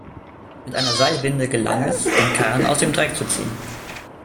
Mit einer Seilwinde gelang es, den Karren aus dem Dreck zu ziehen.